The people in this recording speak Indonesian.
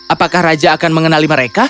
apakah raja akan mengenali mereka